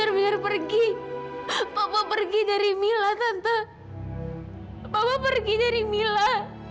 bapak pergi dari mila